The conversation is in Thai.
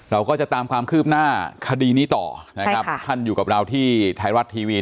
เราก็จะตามความคืบหน้าคดีนี้ต่อนะครับท่านอยู่กับเราที่ไทยรัฐทีวี